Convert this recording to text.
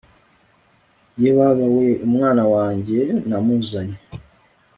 yebabaweee umwana wanjye namuzanye